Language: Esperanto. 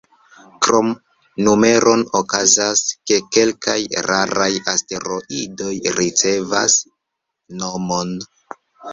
Krom numeron, okazas, ke kelkaj raraj asteroidoj ricevas nomon.